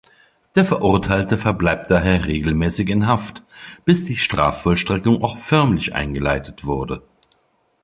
Der Verurteilte verbleibt daher regelmäßig in Haft, bis die Strafvollstreckung auch förmlich eingeleitet wurde.